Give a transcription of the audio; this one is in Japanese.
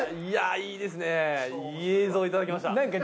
いい映像いただきました。